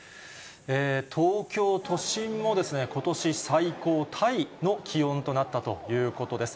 東京都心もことし最高タイの気温となったということです。